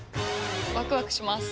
ワクワクします。